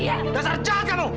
dasar jahat kamu